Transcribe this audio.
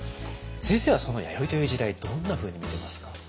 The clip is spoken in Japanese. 先生は弥生という時代どんなふうに見てますか？